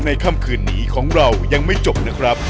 ค่ำคืนนี้ของเรายังไม่จบนะครับ